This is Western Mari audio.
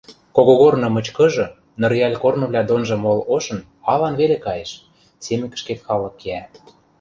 Когогорны мычкыжы, Нырйӓл корнывлӓ донжы мол ошын, алан веле каеш: семӹкӹшкет халык кеӓ.